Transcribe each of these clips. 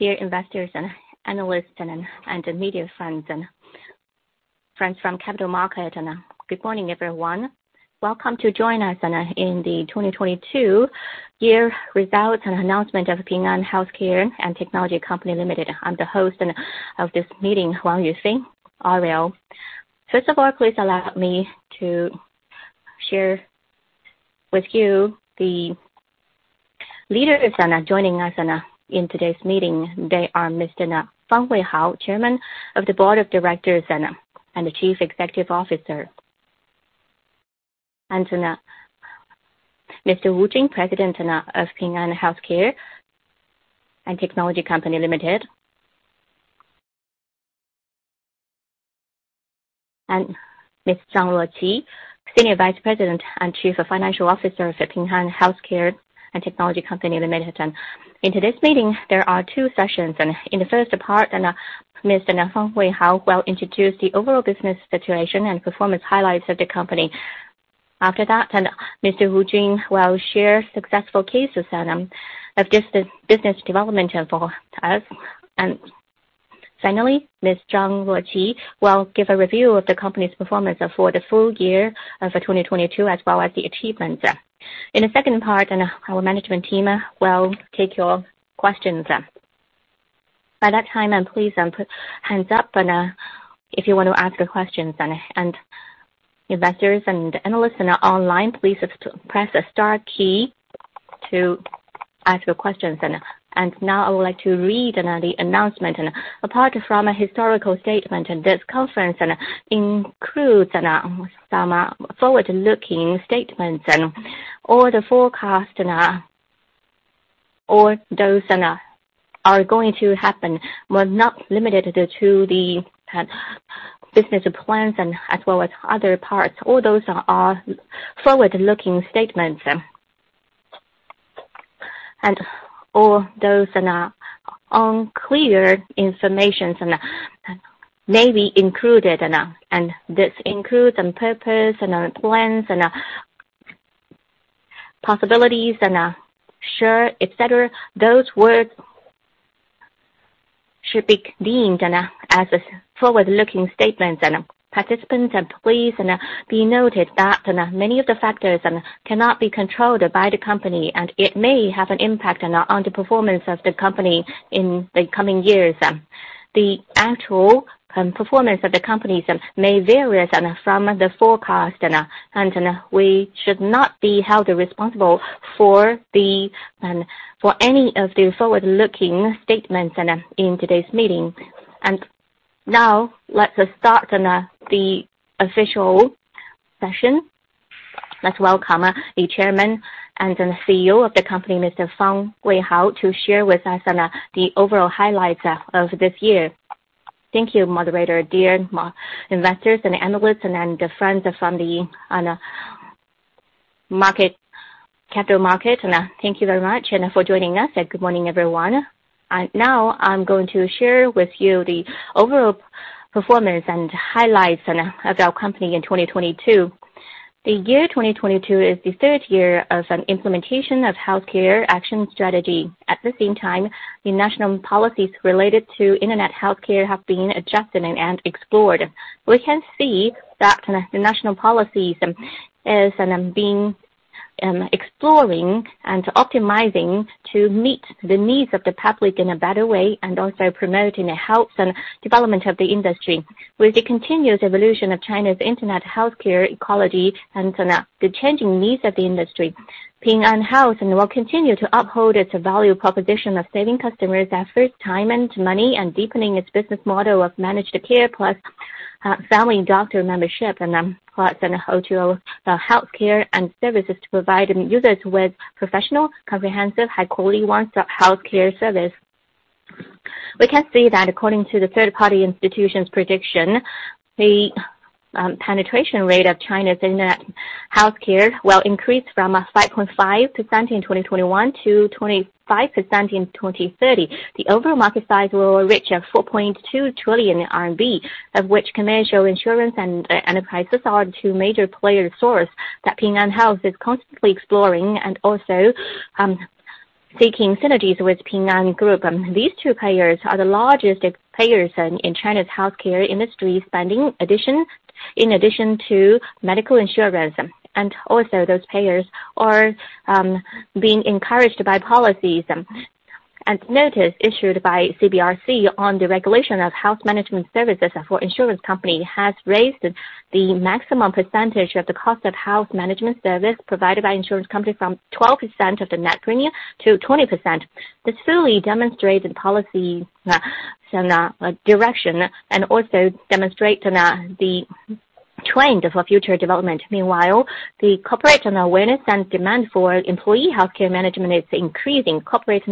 Dear investors and analysts, and media friends and friends from capital market. Good morning, everyone. Welcome to join us in the 2022 year results and announcement of Ping An Healthcare and Technology Company Limited. I'm the host of this meeting, Huang Yuxing. First of all, please allow me to share with you the leaders are now joining us in today's meeting. They are Mr. Fang Weihao, Chairman of the Board of Directors and Chief Executive Officer. Mr. Wu Jun, President of Ping An Healthcare and Technology Company Limited. Ms. Zang Luoqi, Senior Vice President and Chief Financial Officer of the Ping An Healthcare and Technology Company Limited. In today's meeting, there are two sessions. In the first part, Mr. Fang Weihao will introduce the overall business situation and performance highlights of the company. After that, Mr. Wu Jun will share successful cases of business development for us. Finally, Ms. Zang Luoqi will give a review of the company's performance for the full year of 2022 as well as the achievements. In the second part, our management team will take your questions. By that time, please put hands up and if you want to ask questions. Investors and analysts that are online, please press the star key to ask your questions. Now I would like to read the announcement. Apart from a historical statement, this conference includes some forward-looking statements and all the forecast and all those and are going to happen, but not limited to the business plans as well as other parts. All those are forward-looking statements. All those and are unclear informations and maybe included, and this includes some purpose and plans and possibilities and, sure, et cetera. Those words should be deemed as forward-looking statements. Participants please be noted that many of the factors cannot be controlled by the company, and it may have an impact on the performance of the company in the coming years. The actual performance of the companies may vary from the forecast, and we should not be held responsible for any of the forward-looking statements in today's meeting. Now let us start the official session. Let's welcome the Chairman and the CEO of the company, Mr. Fang Weihao, to share with us the overall highlights of this year. Thank you, moderator. Dear investors and analysts and then the friends from the, on the market, capital market, and, thank you very much and for joining us. Good morning, everyone. Now I'm going to share with you the overall performance and highlights of our company in 2022. The year 2022 is the third year of an implementation of healthcare action strategy. At the same time, the national policies related to internet healthcare have been adjusted and explored. We can see that the national policies, is and being exploring and optimizing to meet the needs of the public in a better way and also promoting the health and development of the industry. With the continuous evolution of China's internet healthcare ecology and the changing needs of the industry, Ping An Health and will continue to uphold its value proposition of saving customers efforts, time, and money and deepening its business model of managed care plus family doctor membership. Plus and also the healthcare and services to provide users with professional, comprehensive, high-quality ones healthcare service. We can see that according to the third-party institution's prediction, the penetration rate of China's internet healthcare will increase from a 5.5% in 2021 to 25% in 2030. The overall market size will reach 4.2 trillion RMB, of which commercial insurance and enterprises are two major player source that Ping An Health is constantly exploring and also seeking synergies with Ping An group. These two players are the largest players in China's healthcare industry, in addition to medical insurance. Also those players are being encouraged by policies and notice issued by CBRC on the regulation of health management services for insurance company has raised the maximum percentage of the cost of health management service provided by insurance company from 12% of the net premium to 20%. This fully demonstrates the policy direction, and also demonstrate the trend for future development. Meanwhile, the corporate and awareness and demand for employee healthcare management is increasing. Corporate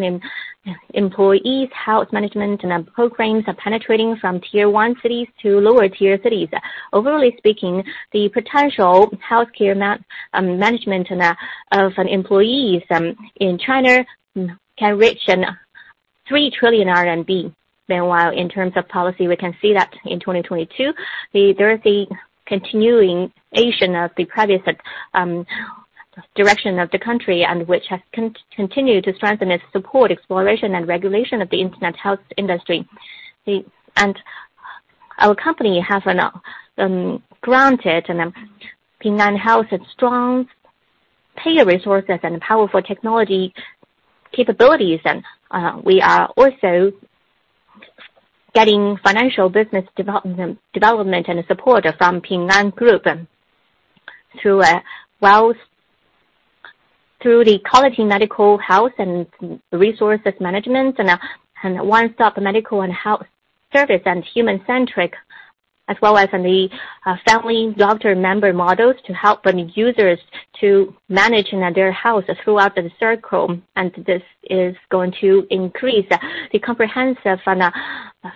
employees health management, and programs are penetrating from tier-one cities to lower-tier cities. Overall speaking, the potential healthcare management of an employees in China can reach 3 trillion RMB. Meanwhile, in terms of policy, we can see that in 2022, there is a continuation of the previous Direction of the country which has continue to strengthen its support, exploration and regulation of the internet health industry. Our company has an granted and Ping An Health has strong payer resources and powerful technology capabilities. We are also getting financial business development and support from Ping An Group through a wealth, through the quality medical health and resources management and a one-stop medical and health service and human-centric as well as the family doctor member models to help the users to manage their health throughout the circle. This is going to increase the comprehensive and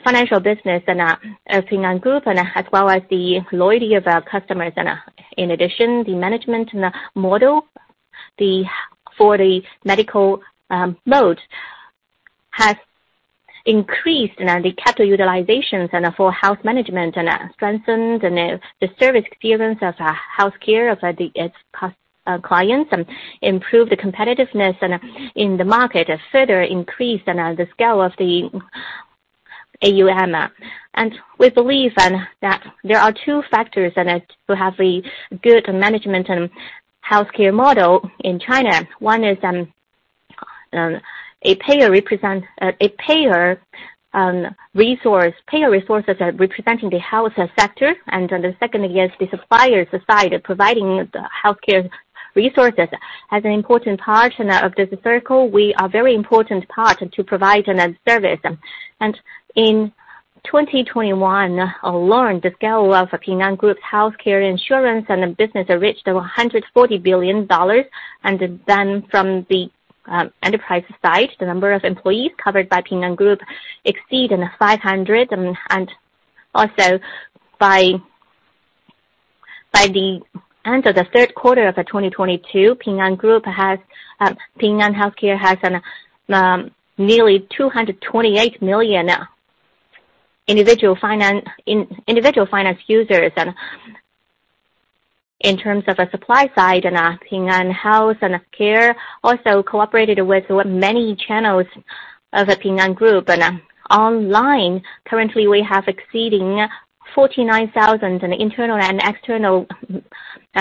financial business of Ping An Group and as well as the loyalty of our customers. In addition, the management and the model for the medical mode has increased and the capital utilizations for health management, strengthened the service experience of healthcare of its clients and improve the competitiveness in the market, further increase the scale of the AUM. We believe that there are two factors that to have a good management and healthcare model in China. One is a payer represent a payer resource, payer resources are representing the health sector. The second is the supplier side, providing the healthcare resources has an important part of this circle. We are very important part to provide service. In 2021 alone, the scale of Ping An Group's healthcare insurance and the business reached $140 billion. From the enterprise side, the number of employees covered by Ping An Group exceed in 500. By the end of the third quarter of 2022, Ping An Healthcare has nearly 228 million individual finance users. In terms of a supply side, Ping An health and care also cooperated with many channels of the Ping An Group. Online currently, we have exceeding 49,000 in internal and external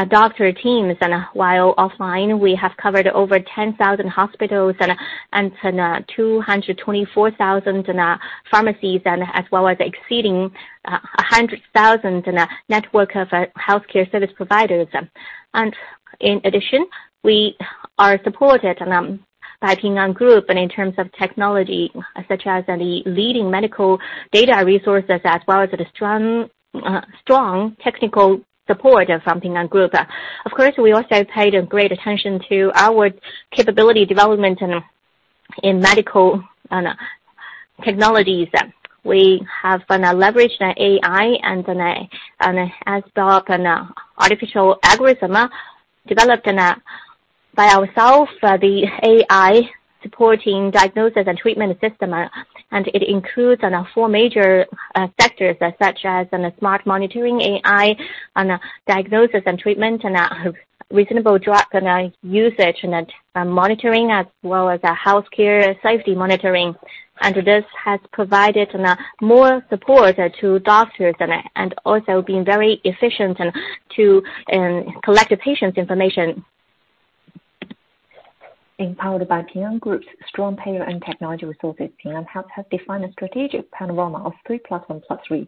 doctor teams. While offline, we have covered over 10,000 hospitals and 224,000 pharmacies as well as exceeding 100,000 in a network of healthcare service providers. In addition, we are supported by Ping An Group and in terms of technology such as the leading medical data resources as well as the strong technical support from Ping An Group. Of course, we also paid great attention to our capability development in medical and technologies. We have been a leverage in AI and artificial algorithm developed by ourselves, the AI supporting diagnosis and treatment system. It includes four major sectors such as smart monitoring AI, diagnosis and treatment, reasonable drug usage, monitoring as well as healthcare safety monitoring. This has provided more support to doctors and also being very efficient to collect the patient's information. Empowered by Ping An Group's strong payer and technology resources, Ping An Health has defined a strategic panorama of 3 plus 1 plus 3.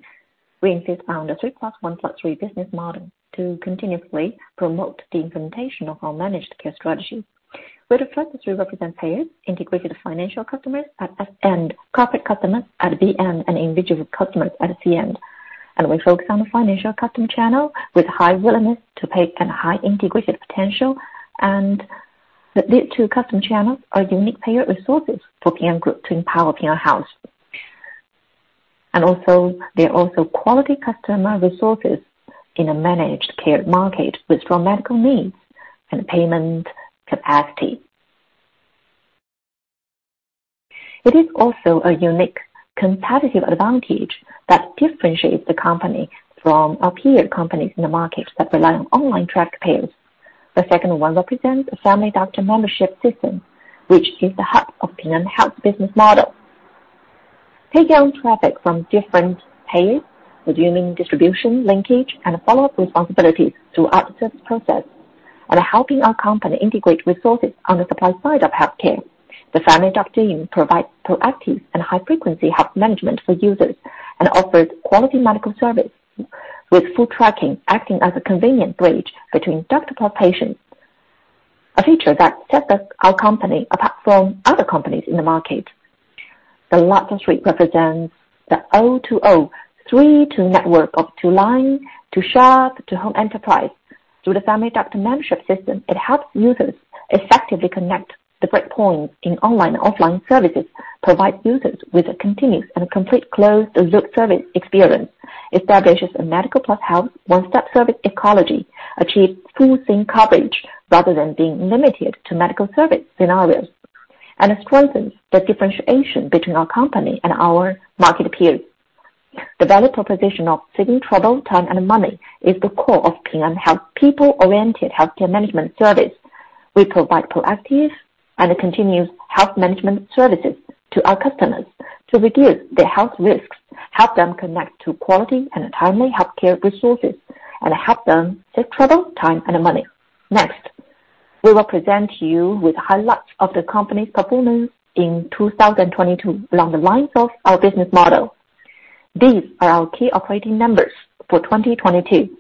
We insist on the 3 plus 1 plus 3 business model to continuously promote the implementation of our managed care strategy. Where the plus 3 represent payers integrated financial customers at S- end, corporate customers at the end, and individual customers at the end. We focus on the financial customer channel with high willingness to pay and high integrated potential. These two customer channels are unique payer resources for Ping An Group to empower Ping An Health. Also, they're also quality customer resources in a managed care market with strong medical needs and payment capacity. It is also a unique competitive advantage that differentiates the company from our peer companies in the market that rely on online traffic payers. The second one represents a family doctor membership system, which is the hub of Ping An Health business model. Taking traffic from different payers, assuming distribution linkage and follow-up responsibilities throughout the service process, and helping our company integrate resources on the supply side of healthcare. The family doctor team provides proactive and high-frequency health management for users and offers quality medical service with full tracking, acting as a convenient bridge between doctor plus patients. A feature that sets us, our company apart from other companies in the market. The last plus 3 represents the O2O, 3-2 network of Online, to-shop, to-home Enterprise. Through the family doctor membership system, it helps users effectively connect the breakpoints in online and offline services, provides users with a continuous and complete closed-loop service experience, establishes a medical plus health one-step service ecology, achieves full scene coverage rather than being limited to medical service scenarios. It strengthens the differentiation between our company and our market peers. The value proposition of saving trouble, time and money is the core of Ping An Health people-oriented healthcare management service. We provide proactive and continuous health management services to our customers to reduce their health risks, help them connect to quality and timely healthcare resources, and help them save trouble, time and money. We will present you with highlights of the company's performance in 2022 along the lines of our business model. These are our key operating numbers for 2022.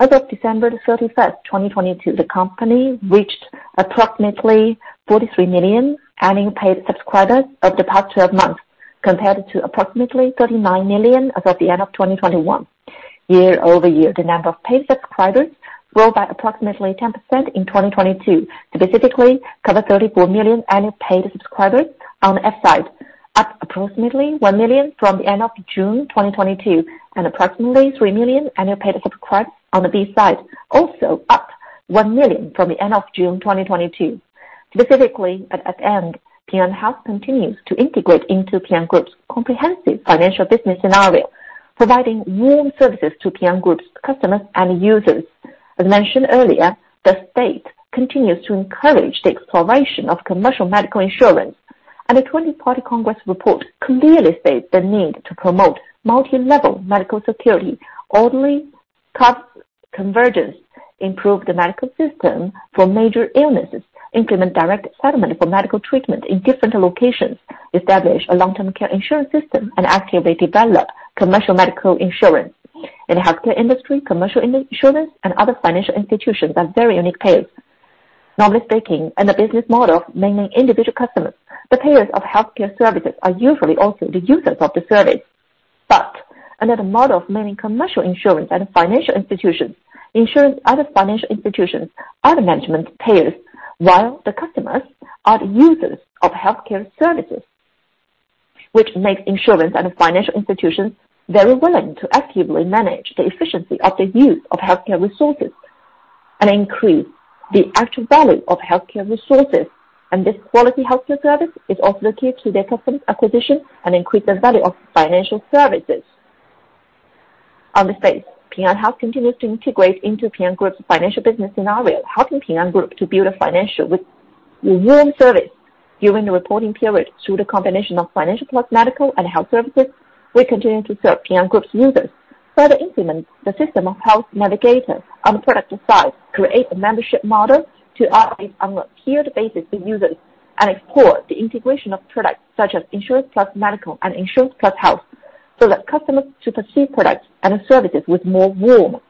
As of December 31st, 2022, the company reached approximately 43 million annual paid subscribers over the past 12 months, compared to approximately 39 million as of the end of 2021. Year over year, the number of paid subscribers grew by approximately 10% in 2022, to specifically cover 34 million annual paid subscribers on F-side, up approximately 1 million from the end of June 2022, and approximately 3 million annual paid subscribers on the B-side, also up 1 million from the end of June 2022. Specifically, at end, Ping An Health continues to integrate into Ping An Group's comprehensive financial business scenario, providing warm services to Ping An Group's customers and users. As mentioned earlier, the state continues to encourage the exploration of commercial medical insurance. The 20th Party Congress report clearly states the need to promote multilevel medical security, orderly cost convergence, improve the medical system for major illnesses, implement direct settlement for medical treatment in different locations, establish a long-term care insurance system, and actively develop commercial medical insurance. In the healthcare industry, commercial insurance and other financial institutions are very unique payers. Normally speaking, in the business model, mainly individual customers, the payers of healthcare services are usually also the users of the service. Another model, mainly commercial insurance and financial institutions, ensures other financial institutions are the management payers, while the customers are the users of healthcare services, which makes insurance and financial institutions very willing to actively manage the efficiency of the use of healthcare resources and increase the actual value of healthcare resources. This quality healthcare service is also key to their customer acquisition and increase the value of financial services. On this page, Ping An Health continues to integrate into Ping An Group's financial business scenario, helping Ping An Group to build a financial with warm service during the reporting period. Through the combination of financial plus medical and health services, we continue to serve Ping An Group's users. Further implement the system of health navigator on the product side, create a membership model to operate on a tiered basis with users, and explore the integration of products such as insurance plus medical and insurance plus health, so that customers to perceive products and services with more warmth.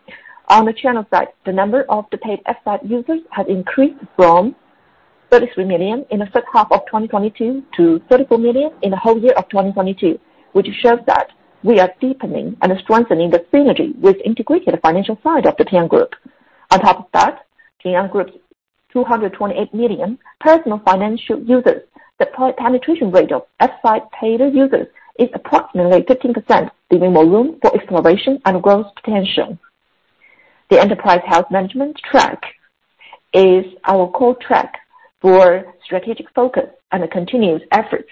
On the channel side, the number of the paid F-side users has increased from 33 million in the first half of 2022 to 34 million in the whole year of 2022, which shows that we are deepening and strengthening the synergy with integrated financial side of the Ping An Group. On top of that, Ping An Group's 228 million personal financial users, the penetration rate of F-side paid users is approximately 15%, leaving more room for exploration and growth potential. The enterprise health management track is our core track for strategic focus and continuous efforts.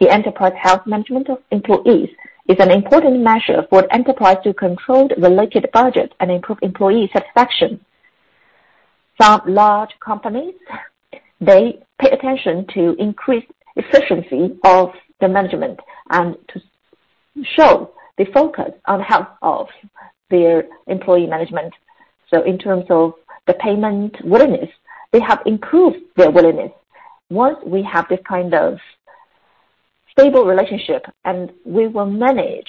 The enterprise health management of employees is an important measure for enterprise to control related budget and improve employee satisfaction. Some large companies, they pay attention to increase efficiency of the management and to show the focus on health of their employee management. In terms of the payment willingness, they have improved their willingness. Once we have this kind of stable relationship and we will manage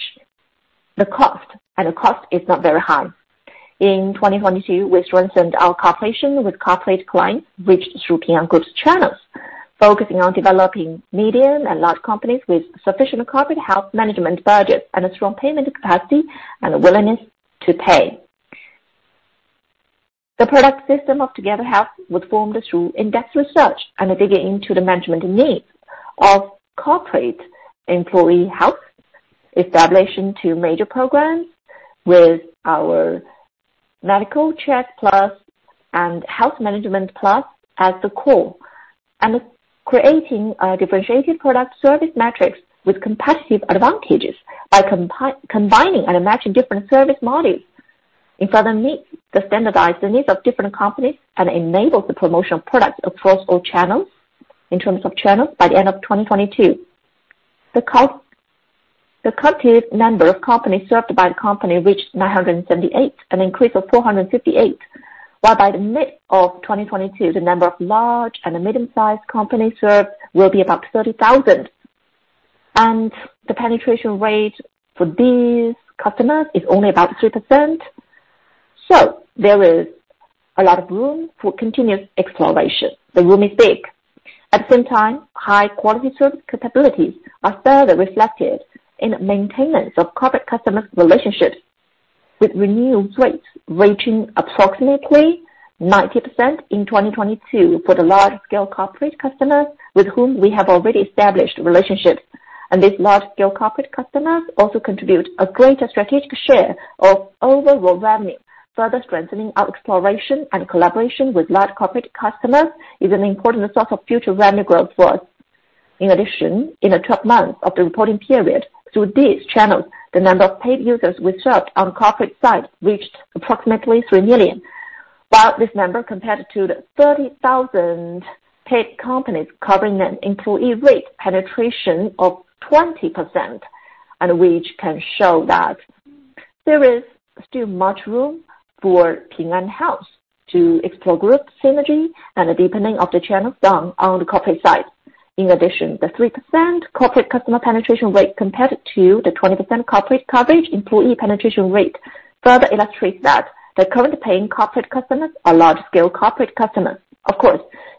the cost, and the cost is not very high. In 2022, we strengthened our cooperation with corporate clients reached through Ping An Group's channels, focusing on developing medium and large companies with sufficient corporate health management budget and a strong payment capacity and willingness to pay. The product system of Together Health was formed through in-depth research and a digging into the management needs of corporate employee health. Establishment to major programs with our Medical Check Plus and Health Management Plus as the core, and creating a differentiated product service metrics with competitive advantages by combining and matching different service models. It further the standardize the needs of different companies and enables the promotion of products across all channels. In terms of channels, by the end of 2022, the cumulative number of companies served by the company reached 978, an increase of 458, while by the mid of 2022, the number of large and medium-sized companies served will be about 30,000. The penetration rate for these customers is only about 3%. There is a lot of room for continuous exploration. The room is big. At the same time, high quality service capabilities are further reflected in the maintenance of corporate customers' relationships with renewal rates reaching approximately 90% in 2022 for the large scale corporate customers with whom we have already established relationships. These large-scale corporate customers also contribute a greater strategic share of overall revenue. Further strengthening our exploration and collaboration with large-scale corporate customers is an important source of future revenue growth for us. In addition, in the 12 months of the reporting period, through these channels, the number of paid users we served on corporate site reached approximately 3 million. While this number compared to the 30,000 paid companies covering an employee rate penetration of 20%, and which can show that there is still much room for Ping An Health to explore group synergy and deepening of the channel done on the corporate side. In addition, the 3% corporate customer penetration rate compared to the 20% corporate coverage employee penetration rate further illustrates that the current paying corporate customers are large-scale corporate customers.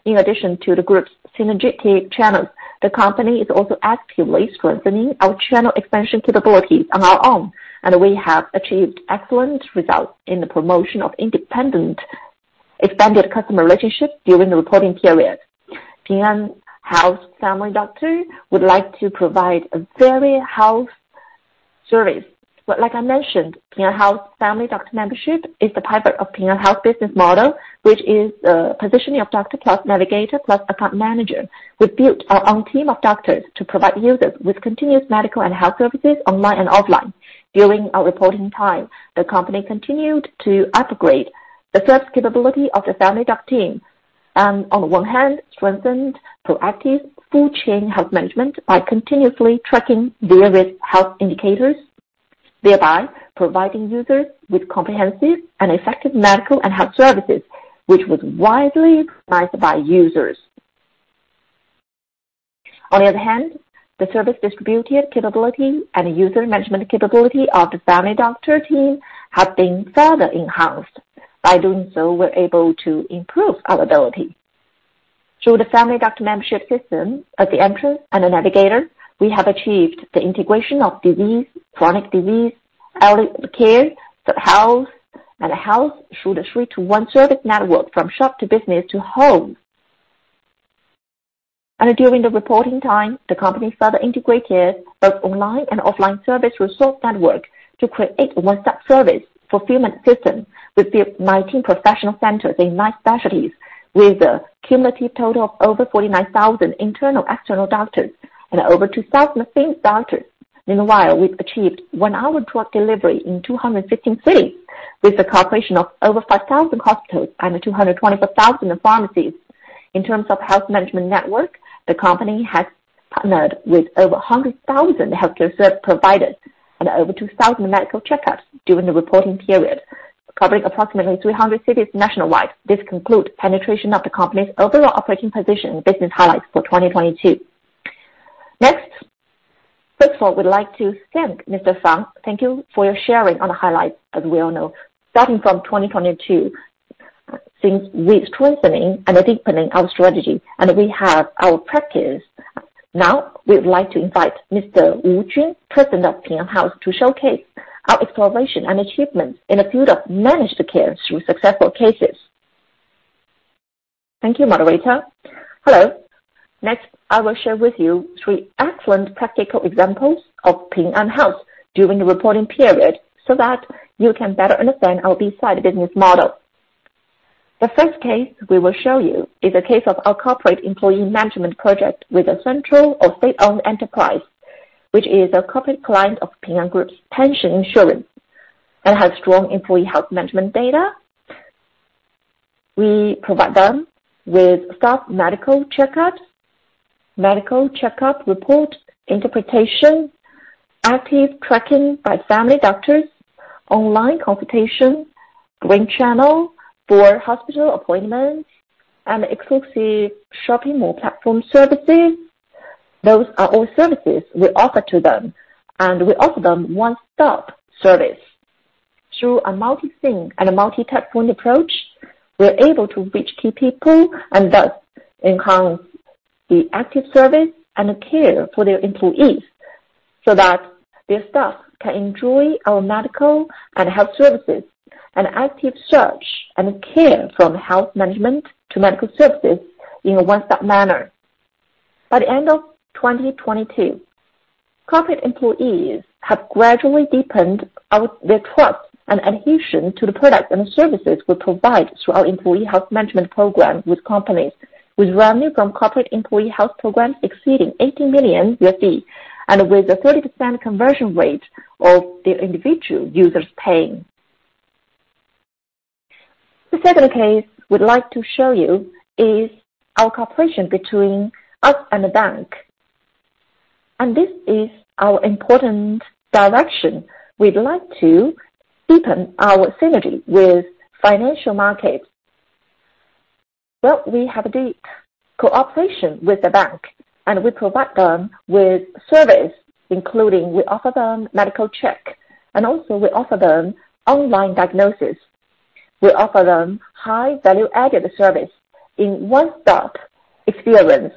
In addition to the group's synergetic channels, the company is also actively strengthening our channel expansion capabilities on our own, and we have achieved excellent results in the promotion of independent expanded customer relationships during the reporting period. Ping An Health family doctor would like to provide a value health service. Like I mentioned, Ping An Health family doctor membership is the pivot of Ping An Health business model, which is positioning of doctor plus health navigator plus account manager. We built our own team of doctors to provide users with continuous medical and health services online and offline. During our reporting time, the company continued to upgrade the service capability of the family doctor team. On the 1 hand, strengthened proactive full chain health management by continuously tracking their risk health indicators, thereby providing users with comprehensive and effective medical and health services, which was widely recognized by users. On the other hand, the service distributed capability and user management capability of the family doctor team have been further enhanced. By doing so, we're able to improve our ability. Through the family doctor membership system at the entrance and the navigator, we have achieved the integration of disease, chronic disease, elder care, health, and health through the 3-to-1 service network from shop to business to home. During the reporting time, the company further integrated both online and offline service resource network to create a one-stop service fulfillment system with the 19 professional centers in 9 specialties, with a cumulative total of over 49,000 internal external doctors and over 2,000 themed doctors. Meanwhile, we've achieved one-hour drug delivery in 215 cities with a cooperation of over 5,000 hospitals and 224,000 pharmacies. In terms of health management network, the company has partnered with over 100,000 healthcare service providers and over 2,000 medical checkups during the reporting period, covering approximately 300 cities nationwide. This concludes penetration of the company's overall operating position and business highlights for 2022. Next. First of all, we'd like to thank David Fang. Thank you for your sharing on the highlights. As we all know, starting from 2022, since we're strengthening and deepening our strategy and we have our practice. Now, we'd like to invite Mr. Wu Jun, President of Ping An Health, to showcase our exploration and achievements in the field of managed care through successful cases. Thank you, moderator. Hello. Next, I will share with you three excellent practical examples of Ping An Health during the reporting period, so that you can better understand our B-side business model. The first case we will show you is a case of our corporate employee management project with a central or state-owned enterprise, which is a corporate client of Ping An Group's pension insurance, and has strong employee health management data. We provide them with staff medical checkups, medical checkup report interpretation, active tracking by family doctors, online consultation, green channel for hospital appointments, and exclusive shopping mall platform services. Those are all services we offer to them, and we offer them one-stop service. Through a multi-theme and a multi-touchpoint approach, we're able to reach key people and thus enhance the active service and care for their employees, so that their staff can enjoy our medical and health services, and active search and care from health management to medical services in a one-stop manner. By the end of 2022, corporate employees have gradually deepened out their trust and adhesion to the products and services we provide through our employee health management program with companies, with revenue from corporate employee health programs exceeding $80 million and with a 30% conversion rate of their individual users paying. The second case we'd like to show you is our cooperation between us and the bank. This is our important direction. We'd like to deepen our synergy with financial markets. Well, we have a deep cooperation with the bank, and we provide them with service, including we offer them medical check, and also we offer them online diagnosis. We offer them high value-added service in one-stop experience.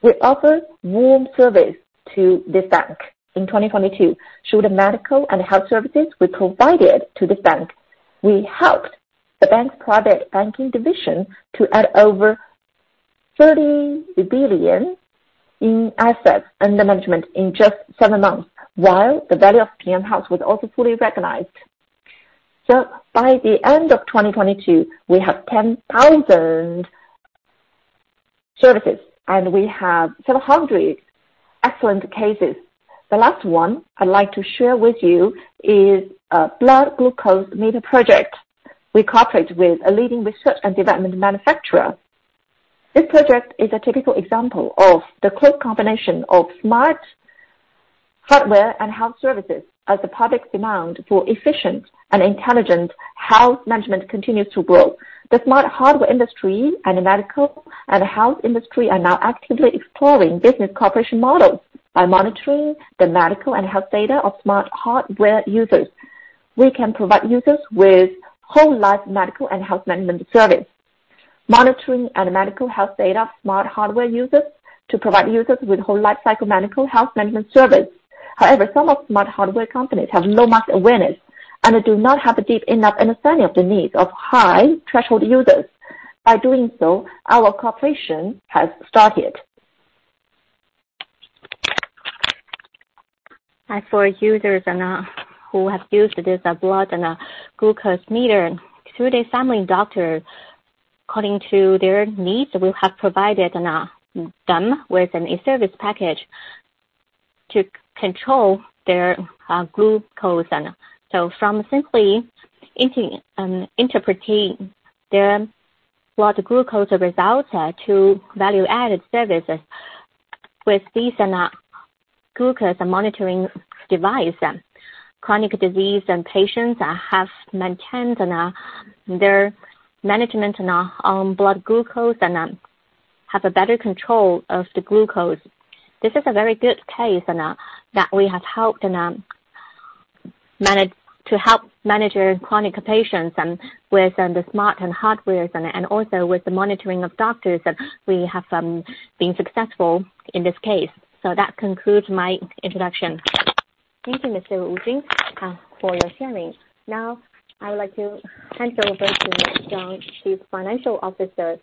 We offer warm service to this bank. In 2022, through the medical and health services we provided to this bank, we helped the bank's private banking division to add over 30 billion in assets under management in just seven months, while the value of PM house was also fully recognized. By the end of 2022, we have 10,000 services, and we have 700 excellent cases. The last one I'd like to share with you is a blood glucose meter project. We cooperate with a leading research and development manufacturer. This project is a typical example of the close combination of smart hardware and health services as the public demand for efficient and intelligent health management continues to grow. The smart hardware industry and the medical and health industry are now actively exploring business cooperation models. By monitoring the medical and health data of smart hardware users, we can provide users with whole life medical and health management service. Monitoring the medical health data of smart hardware users to provide users with whole lifecycle medical health management service. However, some of smart hardware companies have low market awareness, and they do not have a deep enough understanding of the needs of high-threshold users. By doing so, our cooperation has started. As for users and who have used this blood and glucose meter through their family doctor, according to their needs, we have provided them with a service package to control their glucose. From simply interpreting their blood glucose results, to value-added services with this glucose monitoring device, chronic disease and patients have maintained their management blood glucose and have a better control of the glucose. This is a very good case, and that we have helped to help manage chronic patients with the smart hardwares and also with the monitoring of doctors that we have been successful in this case. That concludes my introduction. Thank you, Mr. Wu Jun, for your sharing. Now, I would like to hand over to Zang, the Chief Financial Officer,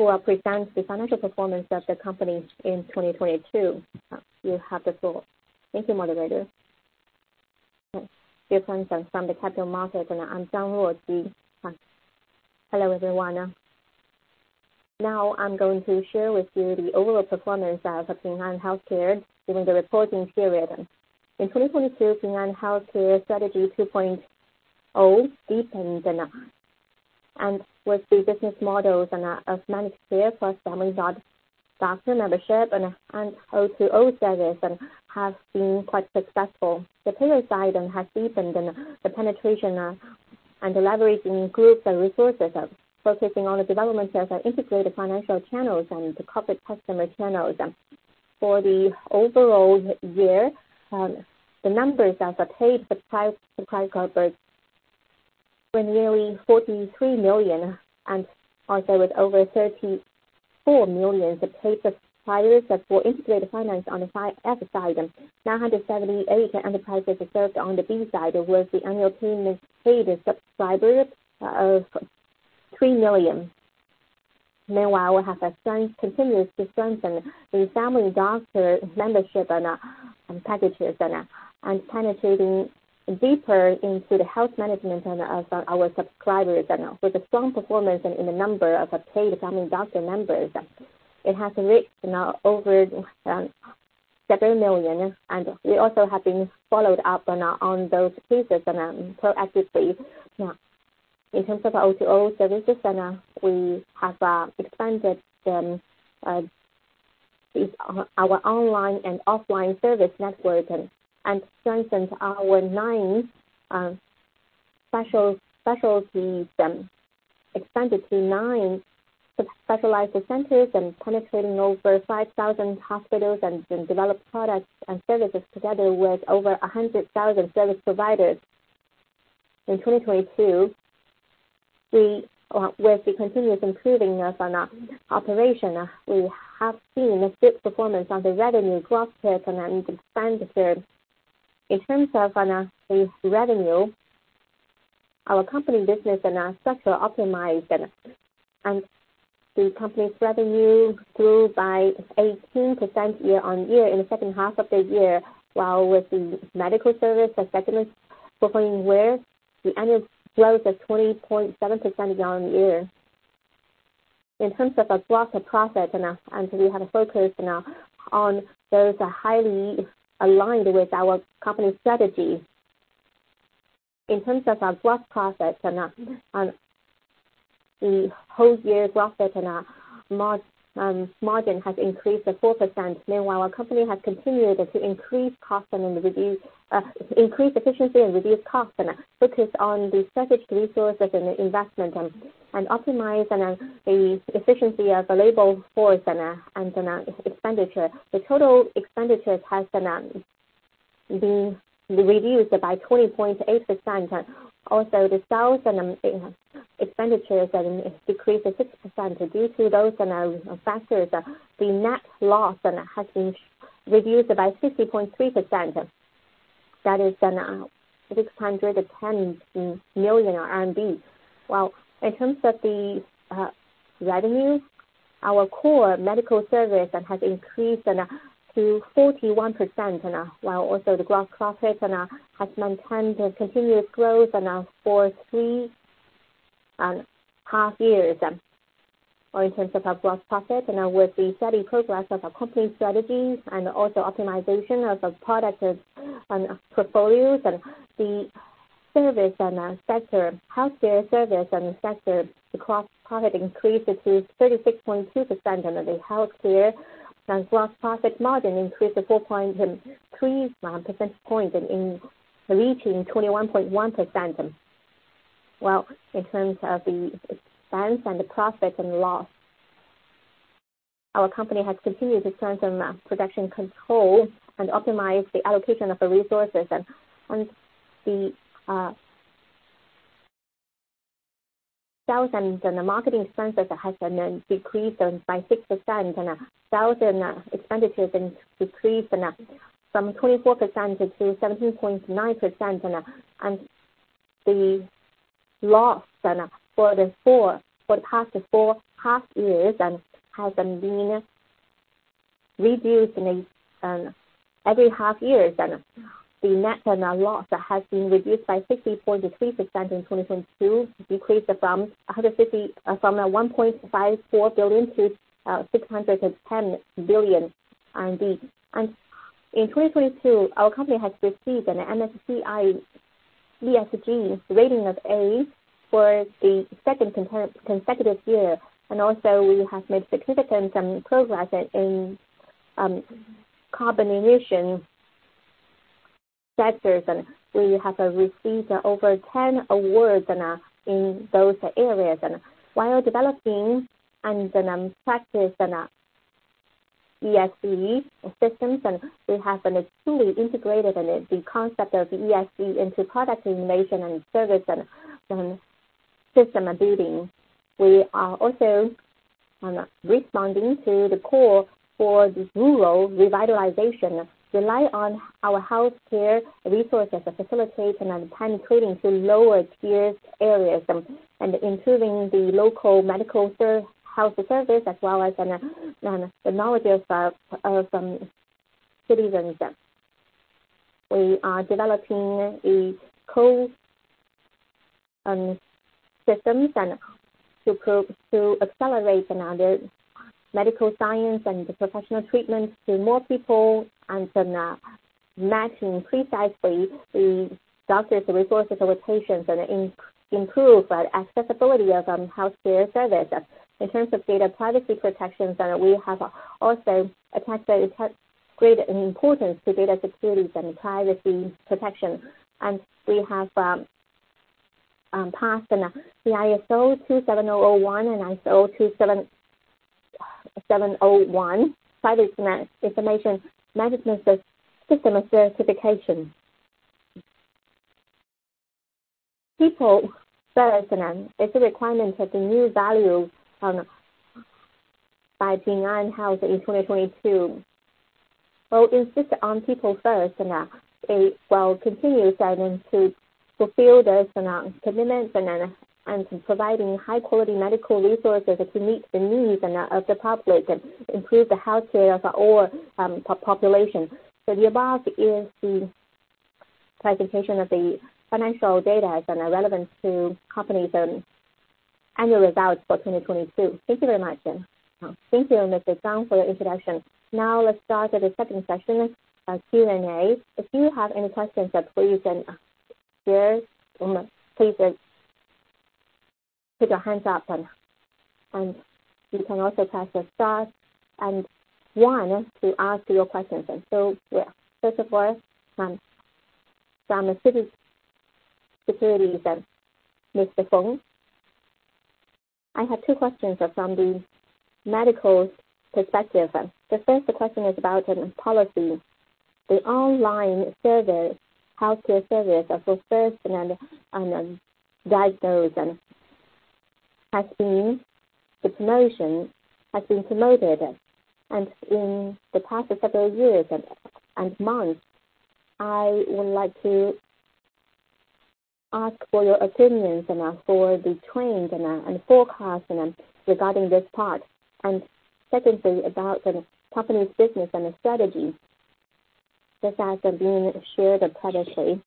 who will present the financial performance of the company in 2022. You have the floor. Thank you, moderator. Yes. Here Zang from the capital market. I'm Zang Luoqi. Hello, everyone. Now, I'm going to share with you the overall performance of Ping An Healthcare during the reporting period. In 2022, Ping An Healthcare Strategy 2.0 deepened. With the business models and of managed care for family doctor membership and O2O service have been quite successful. The payer side has deepened and the penetration and leveraging groups and resources, focusing on the development of our integrated financial channels and the corporate customer channels. For the overall year, the numbers of the paid subscribers were nearly 43 million and also with over 34 million paid subscribers for integrated finance on the F-side. 978 enterprises served on the B-side, with the annual payment paid subscribers of 3 million. Meanwhile, we have continuous to strengthen the family doctor membership and packages and penetrating deeper into the health management and of our subscribers and with a strong performance in the number of paid family doctor members. It has reached now over 7 million. We also have been followed up on those pieces and proactively. In terms of O2O services, we have expanded our online and offline service network and strengthened our nine specialties, expanded to nine specialized centers and penetrating over 5,000 hospitals and develop products and services together with over 100,000 service providers. In 2022, we, with the continuous improving of an operation, we have seen a good performance on the revenue growth rate and expanded. In terms of the revenue, our company business and our structure optimized. The company's revenue grew by 18% year-on-year in the second half of the year, while with the medical service segment performing well, the annual growth of 20.7% year-on-year. In terms of our gross profit and we have a focus now on those highly aligned with our company strategy. In terms of our gross profit and the whole year gross profit and margin has increased to 4%. Meanwhile, our company has continued to increase cost and reduce, increase efficiency and reduce costs and focus on the strategic resources and investment and optimize the efficiency of the labor force and expenditure. The total expenditures has been reduced by 20.8%. Also the sales and expenditures decreased to 6%. Due to those, and our factors, the net loss has been reduced by 50.3%. That is then 610 million RMB. Well, in terms of the revenues, our core medical service has increased to 41%. While also the gross profits has maintained a continuous growth for three half years. Or in terms of our gross profit, with the steady progress of our company strategies and also optimization of the product portfolios and the service sector healthcare service and sector, the gross profit increased to 36.2%, and the healthcare and gross profit margin increased to 4.3 percentage point reaching 21.1%. Well, in terms of the expense and the profit and loss, our company has continued to strengthen production control and optimize the allocation of the resources. On the sales and marketing expenses has been decreased by 6%, and sales and expenditures increased from 24% to 17.9%. The loss then for the past four half years has been reduced in every half year. The net loss has been reduced by 60.3% in 2022, decreased from 1.54 billion to 610 billion RMB. In 2022 our company has received an MSCI ESG rating of A for the second consecutive year. Also we have made significant progress in carbon emission sectors. We have received over 10 awards in those areas. While developing and practice ESG systems, we have been truly integrated in the concept of ESG into product innovation and service and system building. We are also responding to the call for the rural revitalization, rely on our healthcare resources to facilitate and penetrating to lower tier areas, and improving the local medical health service, as well as the knowledges of citizens. We are developing a systems and to accelerate another medical science and the professional treatment to more people and then matching precisely the doctors resources with patients and improve accessibility of healthcare services. In terms of data privacy protections, we have also attached great importance to data security and privacy protection. We have passed the ISO/IEC 27001 and ISO/IEC 27701 privacy information management system certification. People first is a requirement of the new value by Ping An Health in 2022. We'll insist on people first, we will continue then to fulfill this commitment and providing high quality medical resources to meet the needs and of the public and improve the healthcare of all population. The above is the presentation of the financial data and relevant to company's annual results for 2022. Thank you very much. Thank you, Ms. Zang, for your introduction. Now let's start with the second session, Q&A. If you have any questions, please share. Please put your hands up, and you can also press star 1 to ask your questions. First of all, from [inaudible] Securities, Mr. Feng. I have two questions from the medical perspective. The first question is about policy. The online service, healthcare service for first and diagnose and the promotion has been promoted. In the past several years and months, I would like to ask for your opinions for the trends and forecast regarding this part. Secondly, about the company's business and the strategy. Just as being shared previously.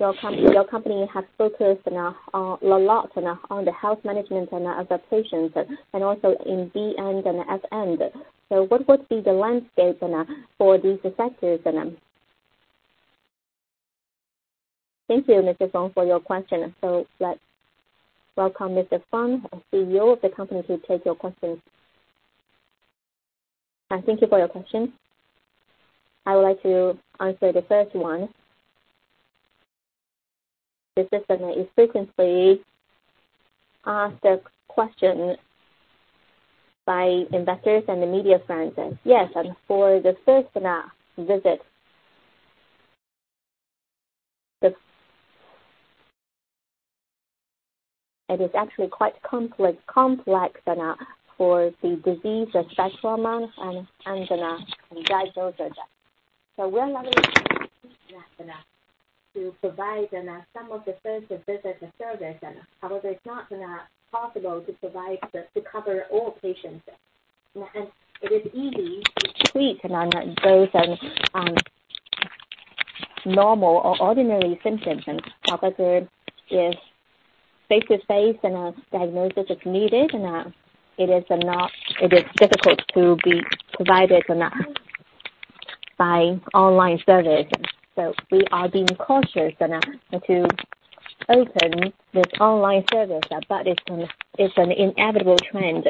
Your company has focused a lot on the health management of the patients and also in B-end and S-end. What would be the landscape for these sectors? Thank you, Mr. Feng, for your question. Let's welcome Mr. Fang, CEO of the company, to take your question. Thank you for your question. I would like to answer the first one. This is a frequently asked question by investors and the media friends. Yes, for the first visit... It is actually quite complex for the disease spectrum and diagnosis. We are not to provide some of the first visit service. However, it's not possible to cover all patients. It is easy to treat those normal or ordinary symptoms, however, if face-to-face diagnosis is needed, It is difficult to be provided by online service. We are being cautious to open this online service. It's an inevitable trend.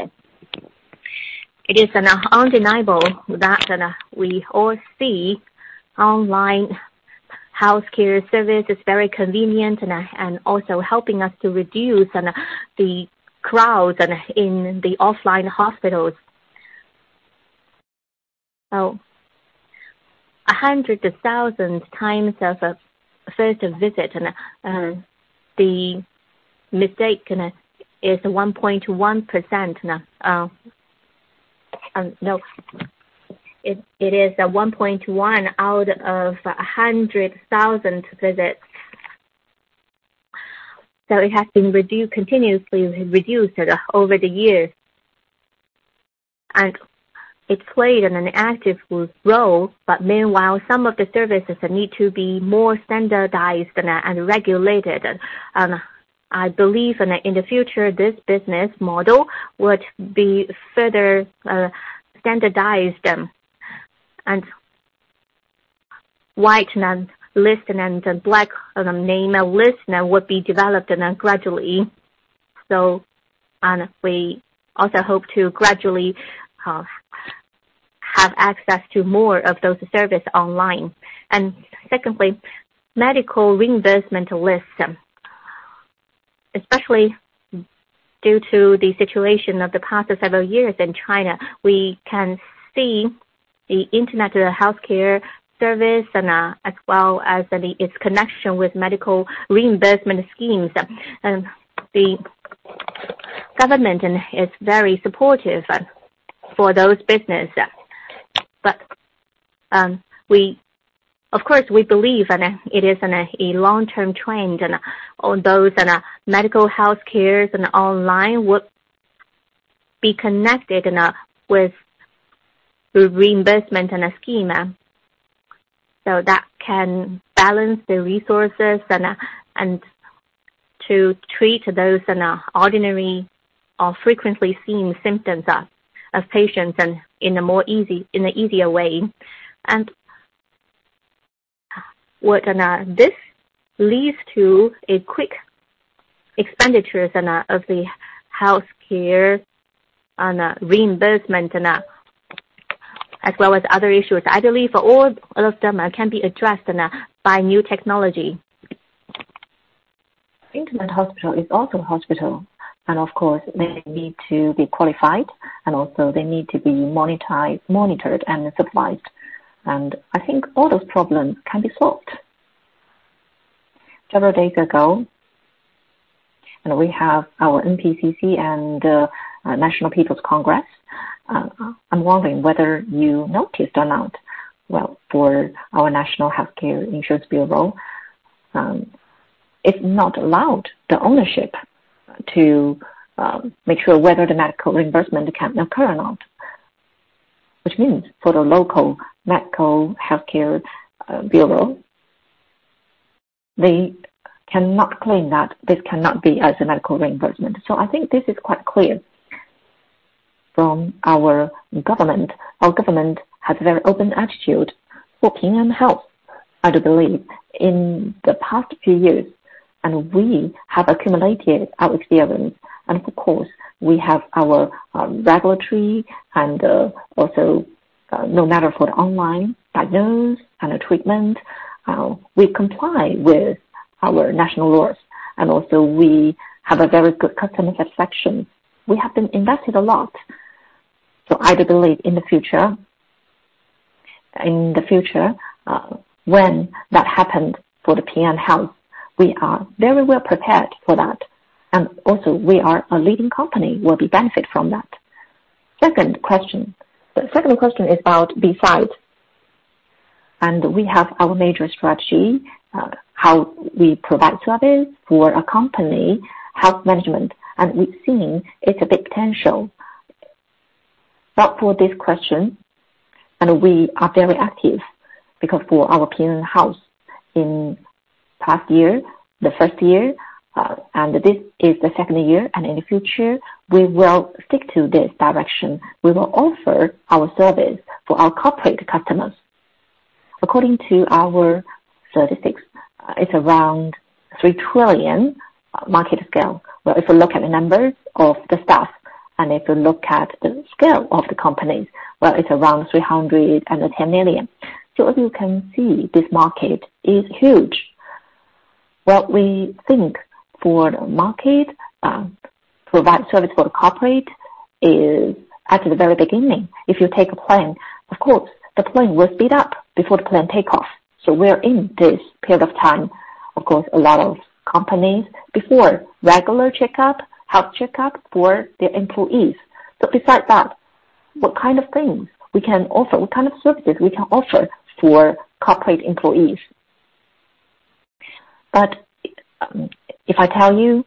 It is undeniable that we all see online healthcare service is very convenient and also helping us to reduce the crowds in the offline hospitals. 100 to 1,000 times of a first visit and the mistake is 1.1%. No. It is 1.1 out of 100,000 visits. It has been reduced, continuously reduced over the years, and it played an active role. Meanwhile, some of the services need to be more standardized and regulated. I believe in the, in the future, this business model would be further standardized, and white list and black name list would be developed gradually. We also hope to gradually have access to more of those service Online. Secondly, medical reimbursement list. Especially due to the situation of the past several years in China, we can see the internet healthcare service and as well as its connection with medical reimbursement schemes. The government is very supportive for those business. Of course, we believe it is a long-term trend on those medical health cares and online would be connected with reimbursement and a scheme so that can balance the resources and to treat those ordinary or frequently seen symptoms of patients in an easier way. This leads to a quick expenditures of the healthcare and reimbursement, as well as other issues. I believe all of them can be addressed by new technology. Internet hospital is also hospital, and of course, they need to be qualified, and also they need to be monetized, monitored and supervised. I think all those problems can be solved. Several days ago, we have our CPPCC and National People's Congress. I'm wondering whether you noticed or not. Well, for our national healthcare insurance bureau, it's not allowed the ownership to make sure whether the medical reimbursement can occur or not. Which means for the local medical healthcare bureau, they cannot claim that this cannot be as a medical reimbursement. I think this is quite clear from our government. Our government has a very open attitude for Ping An Health. I do believe in the past few years, we have accumulated our experience, and of course, we have our regulatory and also no matter for the online diagnosis and treatment, we comply with our national laws. We have a very good customer satisfaction. We have been invested a lot. I do believe in the future, when that happens for the Ping An Health, we are very well prepared for that. We are a leading company will be benefit from that. Second question. The second question is about B-side. We have our major strategy, how we provide service for a company health management, and we've seen its potential. For this question, we are very active because for our Ping An Health in past year, the first year, this is the second year, and in the future, we will stick to this direction. We will offer our service for our corporate customers. According to our statistics, it's around 3 trillion market scale. If you look at the numbers of the staff, and if you look at the scale of the companies, well, it's around 310 million. As you can see, this market is huge. What we think for the market, provide service for the corporate is at the very beginning. If you take a plane, of course, the plane will speed up before the plane take off. We're in this period of time. Of course, a lot of companies before, regular checkup, health checkup for their employees. Besides that, what kind of things we can offer? What kind of services we can offer for corporate employees? If I tell you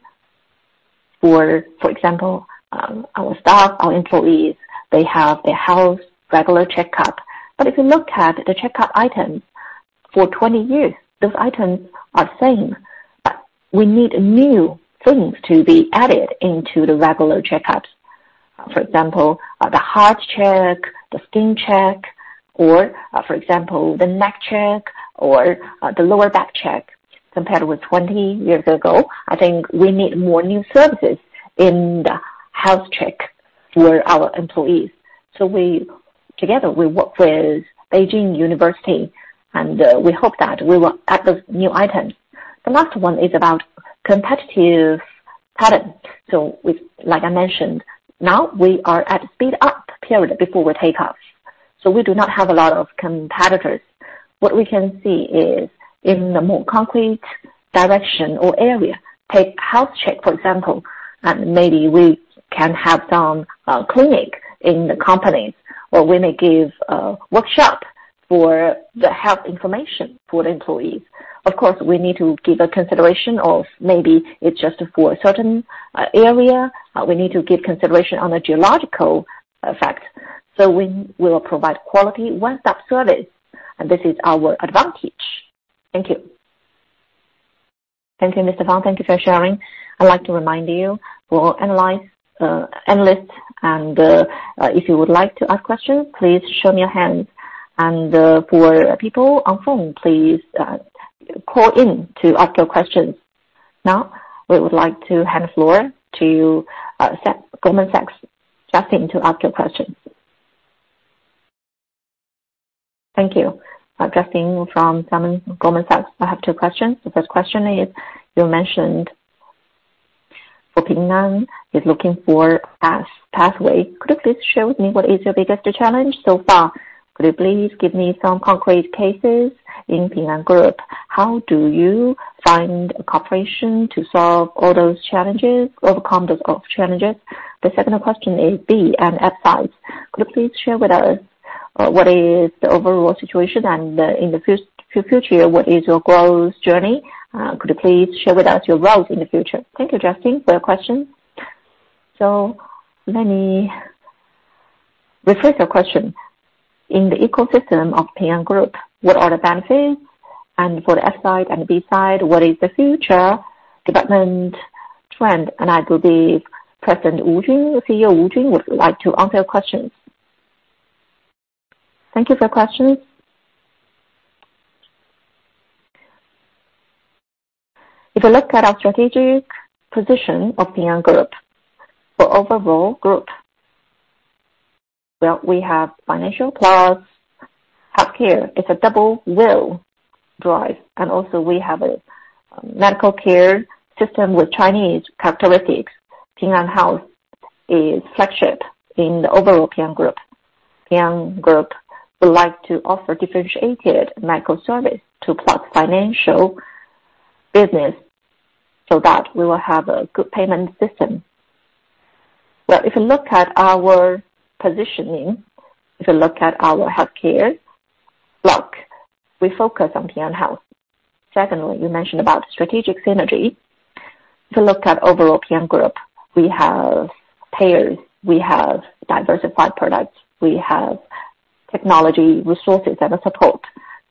for example, our staff, our employees, they have their health regular checkup. If you look at the checkup items for 20 years, those items are same. We need new things to be added into the regular checkups. For example, the heart check, the skin check, or, for example, the neck check or the lower back check. Compared with 20 years ago, I think we need more new services in the health check for our employees. Together, we work with Peking University, and we hope that we will add those new items. The last one is about competitive pattern. Like I mentioned, now we are at speed up period before we take off. We do not have a lot of competitors. What we can see is, in a more concrete direction or area, take health check, for example, and maybe we can have some clinic in the companies, or we may give a workshop for the health information for the employees. Of course, we need to give a consideration of maybe it's just for a certain area. We need to give consideration on the geological effect. We will provide quality one-stop service, and this is our advantage. Thank you. Thank you, Mr. Fang. Thank you for sharing. I'd like to remind you, for analyst and, if you would like to ask questions, please show me your hands. For people on phone, please call in to ask your questions. Now, we would like to hand the floor to Goldman Sachs, Justin, to ask your questions. Thank you. Justin from Goldman Sachs. I have two questions. The first question is, you mentioned for Ping An is looking for as pathway. Could you please show me what is your biggest challenge so far? Could you please give me some concrete cases in Ping An Group? How do you find cooperation to solve all those challenges, overcome those challenges? The second question is B and F sides. Could you please share with us what is the overall situation? In the future, what is your growth journey? Could you please share with us your roles in the future? Thank you, Justin, for your question. Let me rephrase your question. In the ecosystem of Ping An Group, what are the benefits? For the F-side and the B-side, what is the future development trend? I believe President Wu Jun, CEO Wu Jun, would like to answer your questions. Thank you for your question. If you look at our strategic position of Ping An Group, for overall group, well, we have financial plus healthcare. It's a double wheel drive. Also we have a medical care system with Chinese characteristics. Ping An Health is flagship in the overall Ping An Group. Ping An Group would like to offer differentiated medical service to plus financial business so that we will have a good payment system. Well, if you look at our positioning, if you look at our healthcare block, we focus on Ping An Health. Secondly, you mentioned about strategic synergy. If you look at overall Ping An Group, we have payers, we have diversified products, we have technology resources as a support.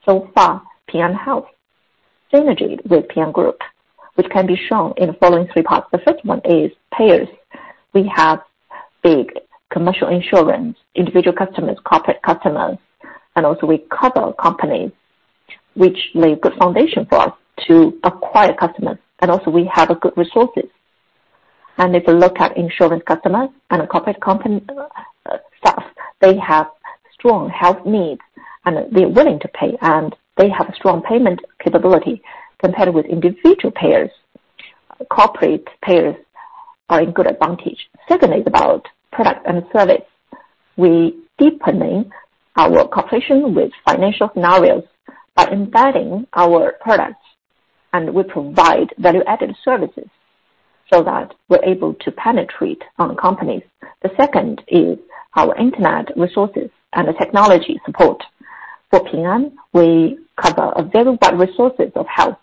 Far, Ping An Health synergied with Ping An Group, which can be shown in the following three parts. The first one is payers. We have big commercial insurance, individual customers, corporate customers, we cover companies, which lay a good foundation for us to acquire customers. Also we have a good resources. If you look at insurance customers and a corporate company staff, they have strong health needs, and they're willing to pay, and they have a strong payment capability. Compared with individual payers, corporate payers are in good advantage. Secondly is about product and service. We deepening our cooperation with financial scenarios by embedding our products, and we provide value-added services so that we're able to penetrate on companies. The second is our internet resources and technology support. For Ping An, we cover a very wide resources of health.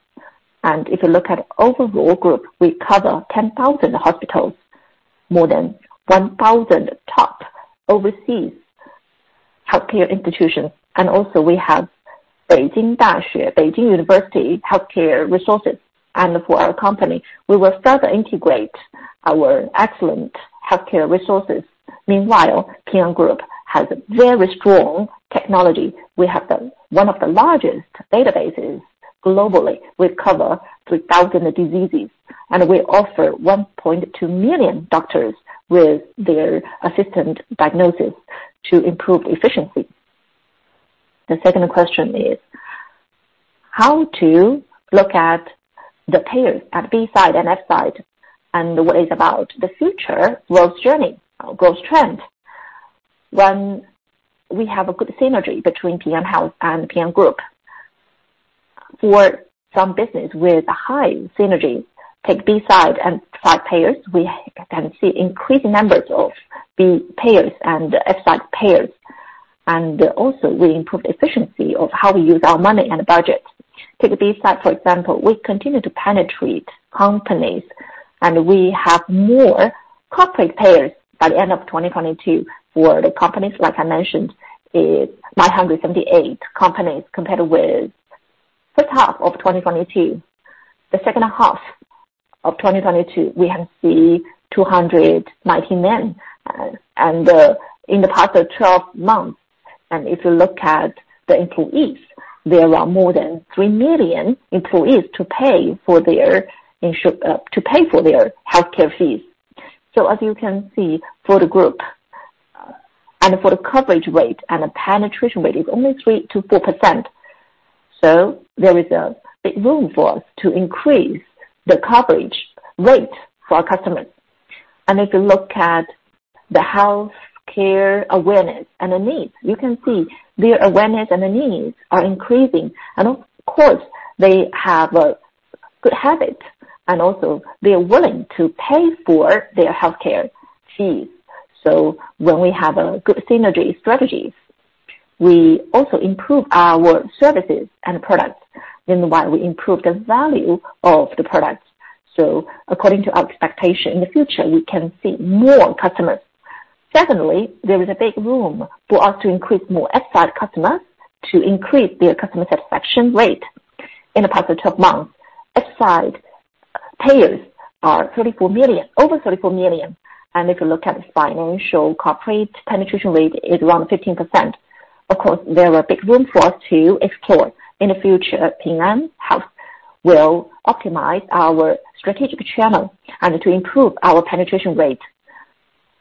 If you look at overall group, we cover 10,000 hospitals, more than 1,000 top overseas healthcare institutions. Also we have Beijing Dasheng, Peking University healthcare resources. For our company, we will further integrate our excellent healthcare resources. Meanwhile, Ping An Group has a very strong technology. We have one of the largest databases globally. We cover 3,000 diseases, and we offer 1.2 million doctors with their assistant diagnosis to improve efficiency. The second question is, how to look at the payers at B-side and F-side, and what is about the future growth journey, growth trend when we have a good synergy between Ping An Health and Ping An Group? For some business with high synergy, take B-side and 5 payers, we can see increased numbers of B-side payers and F-side payers. We improve efficiency of how we use our money and budget. Take the B-side for example, we continue to penetrate companies, and we have more corporate payers by the end of 2022, for the companies like I mentioned is 978 companies compared with the top of 2022. The second half of 2022, we have see 299. In the past 12 months, if you look at the employees, there are more than 3 million employees to pay for their healthcare fees. As you can see, for the group, for the coverage rate and the penetration rate is only 3%-4%. There is a big room for us to increase the coverage rate for our customers. If you look at the healthcare awareness and the needs, you can see their awareness and the needs are increasing. They have a good habit, and also they are willing to pay for their healthcare fees. When we have a good synergy strategies, we also improve our services and products, meanwhile we improve the value of the products. According to our expectation, in the future, we can see more customers. Secondly, there is a big room for us to increase more F-side customers to increase their customer satisfaction rate. In the past 12 months, F-side payers are 34 million, over 34 million. If you look at its financial corporate, penetration rate is around 15%. There are big room for us to explore. In the future, Ping An Health will optimize our strategic channel and to improve our penetration rate.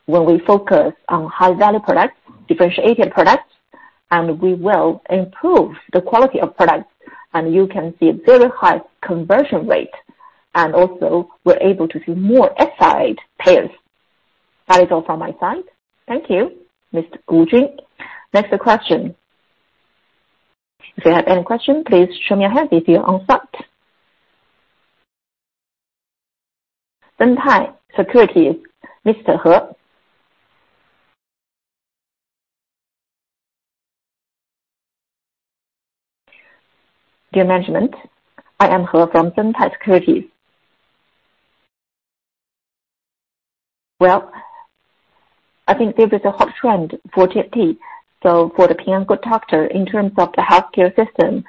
When we focus on high-value products, differentiated products, we will improve the quality of products, you can see a very high conversion rate. Also we're able to see more F-side payers. That is all from my side. Thank you. Mr. Wu Jun. Next question. If you have any question, please show me your hand if you're on site. Haitong Securities, Mr. He. Dear management, I am He from Haitong Securities. I think there is a hot trend for ChatGPT. For the Ping An Good Doctor, in terms of the healthcare system,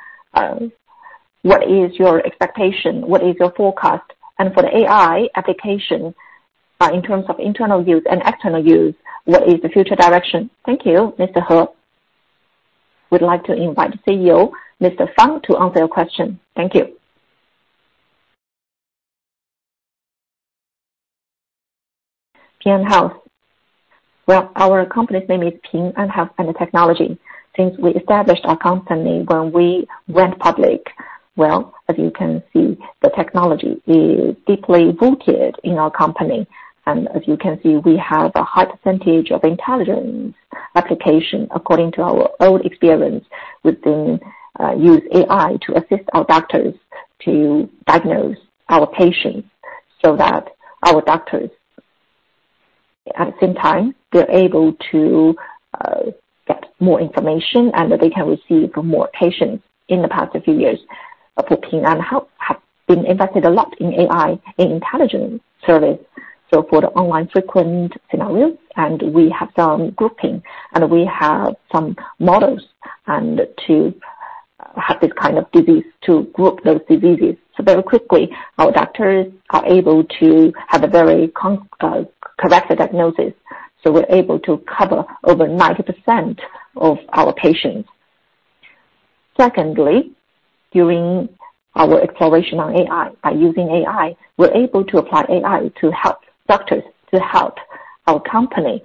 what is your expectation? What is your forecast? For the AI application, in terms of internal use and external use, what is the future direction? Thank you, Mr. He. We'd like to invite CEO Mr. Fang to answer your question. Thank you. Ping An Health. Well, our company's name is Ping An Health and Technology. Since we established our company when we went public, well, as you can see, the technology is deeply rooted in our company. As you can see, we have a high percentage of intelligence application according to our own experience with the use AI to assist our doctors to diagnose our patients so that our doctors. At the same time, they're able to get more information and they can receive more patients. In the past few years, Ping An Health have been invested a lot in AI and intelligence service. For the online frequent scenario, and we have some grouping and we have some models and to have this kind of disease to group those diseases. Very quickly, our doctors are able to have a very correct diagnosis, so we're able to cover over 90% of our patients. Secondly, during our exploration on AI, by using AI, we're able to apply AI to help doctors to help our company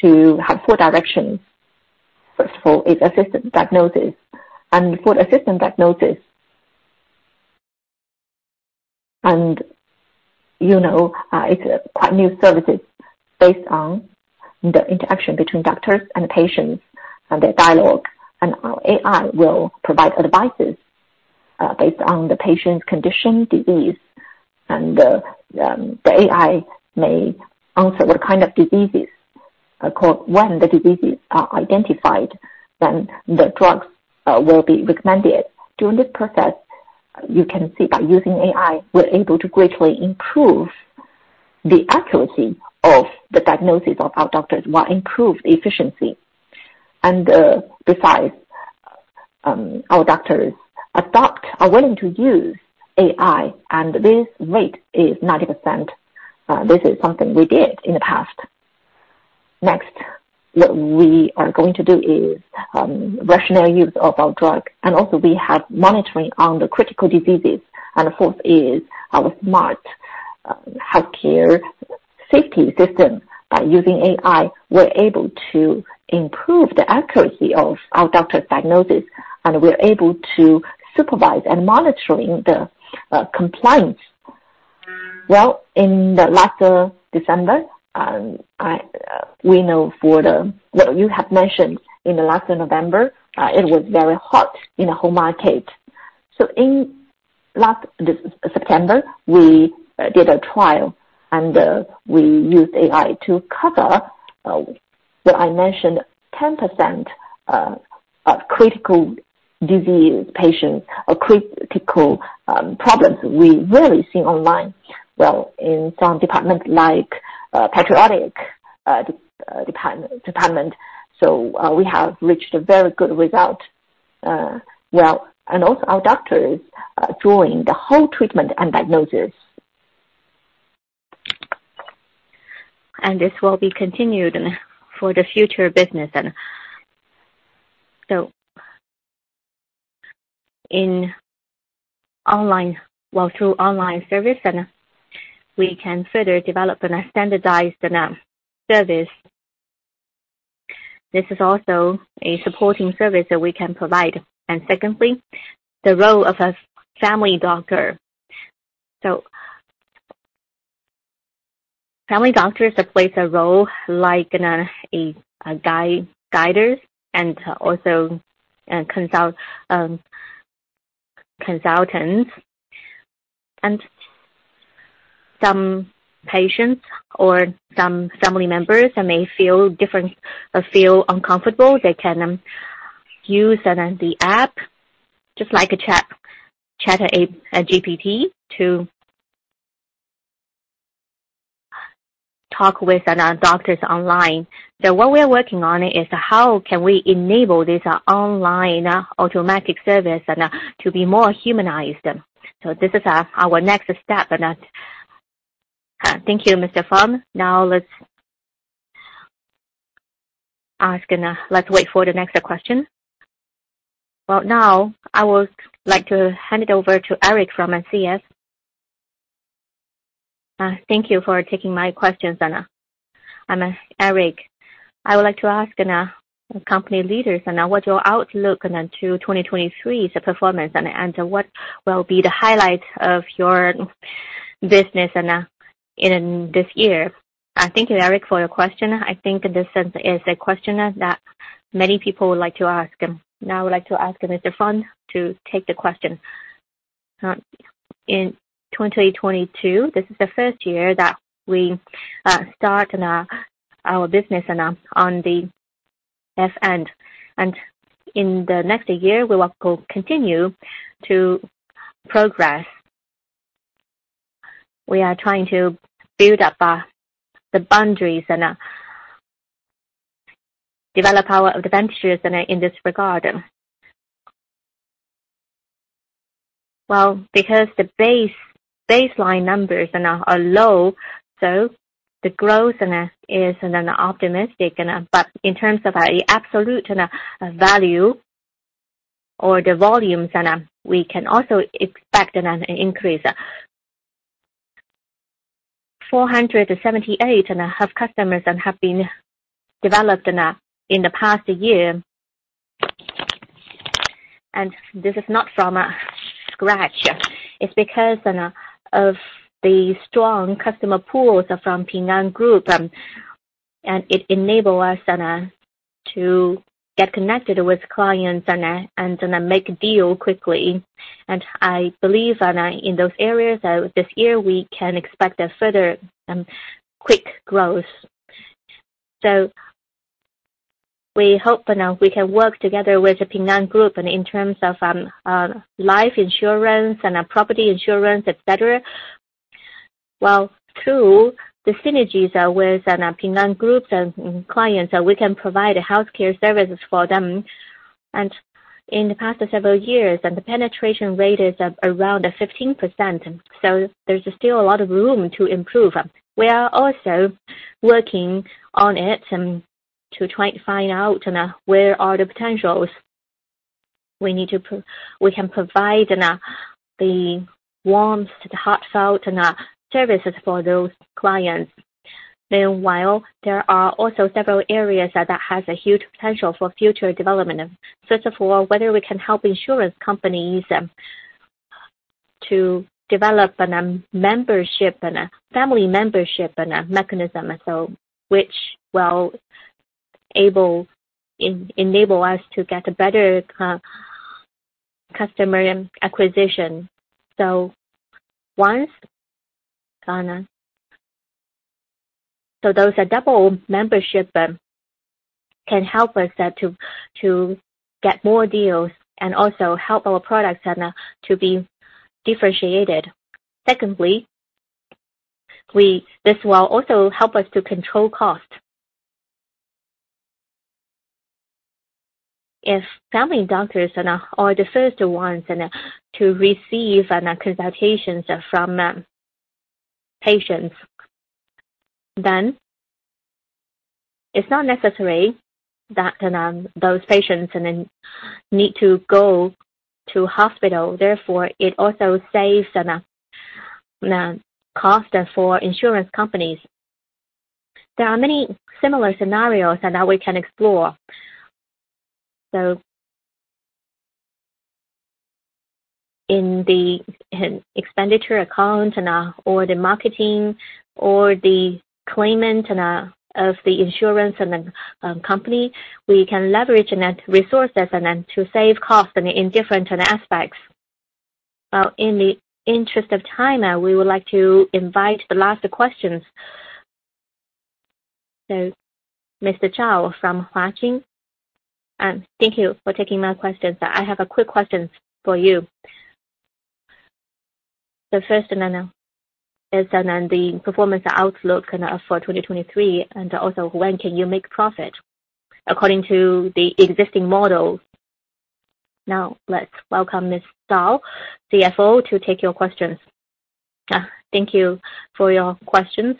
to have four directions. First of all is assistant diagnosis. For assistant diagnosis... You know, it's quite new services based on the interaction between doctors and patients and their dialogue. Our AI will provide advices based on the patient's condition, disease. The AI may answer what kind of diseases. Of course, when the diseases are identified, then the drugs will be recommended. During this process, you can see by using AI, we're able to greatly improve the accuracy of the diagnosis of our doctors while improve the efficiency. Besides, our doctors are willing to use AI, and this rate is 90%. This is something we did in the past. Next, what we are going to do is rationale use of our drug. Also we have monitoring on the critical diseases. The fourth is our smart Healthcare safety system. By using AI, we're able to improve the accuracy of our doctor's diagnosis, and we're able to supervise and monitoring the compliance. Well, you have mentioned in the last November, it was very hot in the whole market. In last September, we did a trial, and we used AI to cover, what I mentioned, 10% of critical disease patients or critical problems we rarely see online. Well, in some departments like pediatric department, so we have reached a very good result. Well, also our doctors joined the whole treatment and diagnosis. Well, through online service center, we can further develop and standardize the service. This is also a supporting service that we can provide. Secondly, the role of a family doctor. Family doctors plays a role like, you know, a guide-guider and also a consultants. Some patients or some family members, they may feel different or feel uncomfortable. They can use the app just like ChatGPT to talk with the doctors online. What we are working on is how can we enable this online automatic service and to be more humanized. This is our next step in that. Thank you, Mr. Fang. Now let's ask and let's wait for the next question. Well, now I would like to hand it over to Eric from UBS. Thank you for taking my questions and Eric. I would like to ask, you know, company leaders, what your outlook to 2023's performance, and what will be the highlight of your business in this year? Thank you, Eric, for your question. I think this is a question that many people would like to ask. Now I would like to ask Mr. Fang to take the question. In 2022, this is the first year that we start our business on the F-end. In the next year, we will go continue to progress. We are trying to build up the boundaries and develop our advantages in this regard. Well, because the baseline numbers are low, so the growth is optimistic, but in terms of absolute value or the volumes, we can also expect an increase. 478.5 customers have been developed in the past year. This is not from scratch. It's because of the strong customer pools from Ping An Group, and it enable us to get connected with clients and make a deal quickly. I believe in those areas, this year, we can expect a further quick growth. We hope we can work together with the Ping An Group in terms of life insurance and property insurance, etc. Well, through the synergies with and Ping An Group's and clients, we can provide healthcare services for them. In the past several years and the penetration rate is around 15%, there's still a lot of room to improve. We are also working on it and to try and find out where are the potentials. We can provide the warmth, the heartfelt services for those clients. Meanwhile, there are also several areas that has a huge potential for future development. First of all, whether we can help insurance companies to develop membership and family membership and mechanism. Which will enable us to get a better customer acquisition. Once, so those are double membership, can help us to get more deals and also help our products to be differentiated. Secondly, this will also help us to control cost. If family doctors are the first ones to receive consultations from patients, it's not necessary that those patients need to go to hospital. Therefore, it also saves cost for insurance companies. There are many similar scenarios that now we can explore. In the expenditure account or the marketing or the claimant of the insurance and the company, we can leverage net resources and then to save cost in different aspects. In the interest of time, we would like to invite the last questions. Mr. Zhao from Huajing Securities. Thank you for taking my questions. I have a quick question for you. The first is the performance outlook for 2023 and also when can you make profit according to the existing models? Now let's welcome Ms. Zang, CFO, to take your questions. Thank you for your questions.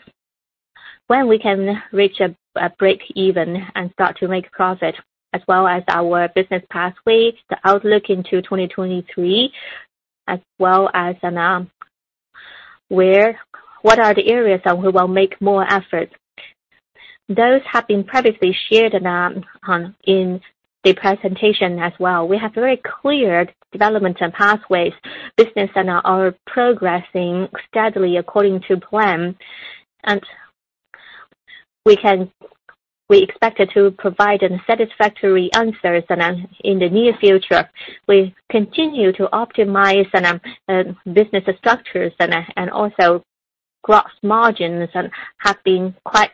When we can reach a break even and start to make profit, as well as our business pathway, the outlook into 2023, as well as, what are the areas that we will make more efforts. Those have been previously shared in the presentation as well. We have very clear development and pathways, business and are progressing steadily according to plan. We expected to provide satisfactory answers in the near future. We continue to optimize business structures and also gross margins have been quite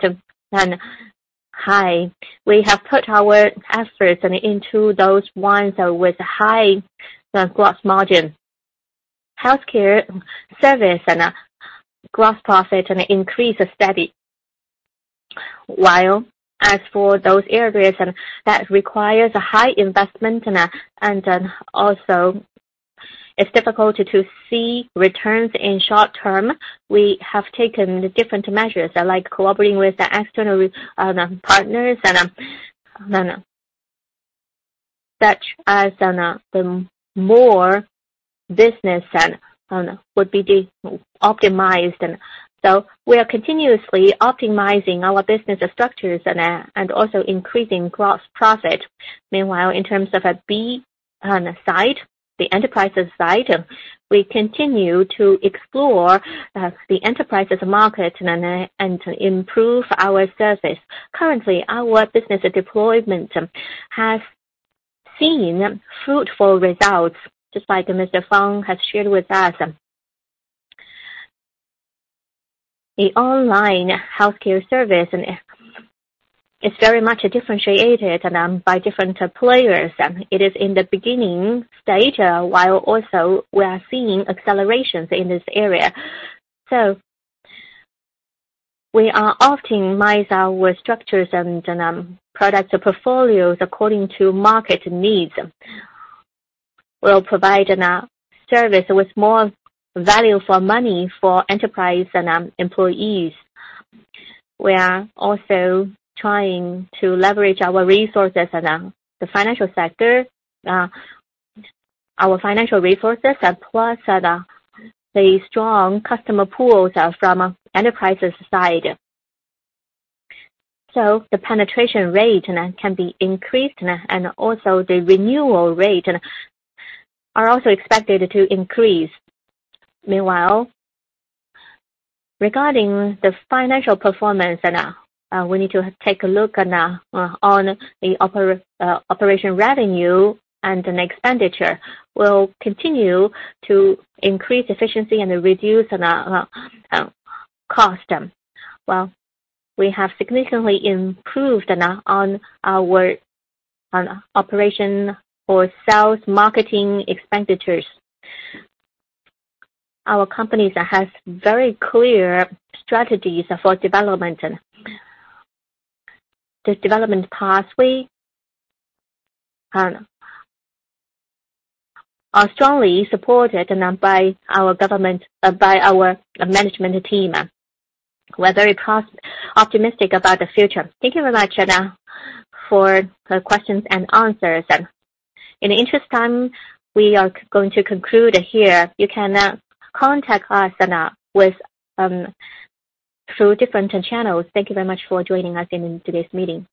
high. We have put our efforts into those ones with high gross margin. Healthcare service and gross profit increase steady. As for those areas that requires a high investment and then also it's difficult to see returns in short term, we have taken different measures, like cooperating with the external partners such as the more business would be optimized and. We are continuously optimizing our business structures and also increasing gross profit. Meanwhile, in terms of B-side, the enterprises side, we continue to explore the enterprises market and improve our service. Currently, our business deployment has seen fruitful results, just like Mr. Fang has shared with us. The online healthcare service is very much differentiated by different players. It is in the beginning stage while also we are seeing accelerations in this area. We are optimize our structures and product portfolios according to market needs. We'll provide an service with more value for money for enterprise and employees. We are also trying to leverage our resources and the financial sector, our financial resources and plus the strong customer pools from enterprises side. The penetration rate can be increased and also the renewal rate and are also expected to increase. Meanwhile, regarding the financial performance and we need to take a look on the operation revenue and an expenditure. We'll continue to increase efficiency and reduce cost. Well, we have significantly improved on our operation for sales marketing expenditures. Our company has very clear strategies for development. This development pathway are strongly supported by our management team. We're very optimistic about the future. Thank you very much for the questions and answers. In the interest of time, we are going to conclude here. You can contact us with through different channels. Thank you very much for joining us in today's meeting.